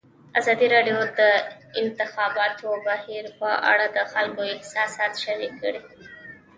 ازادي راډیو د د انتخاباتو بهیر په اړه د خلکو احساسات شریک کړي.